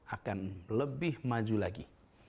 akan lebih maju lagi